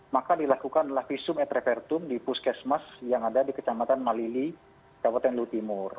maka dilakukan adalah visum et repertum di puskesmas yang ada di kecamatan malili kabupaten lutimur